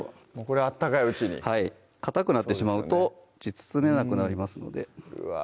これ温かいうちにかたくなってしまうと包めなくなりますのでうわ